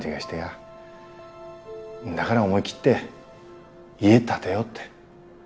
んだがら思い切って家建てようって。